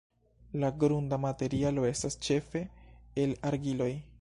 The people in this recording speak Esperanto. La grunda materialo estas ĉefe el argiloj.